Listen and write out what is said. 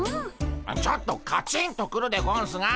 ちょっとカチンとくるでゴンスが。